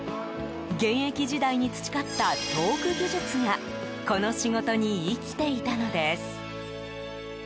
現役時代に培ったトーク技術がこの仕事に生きていたのです。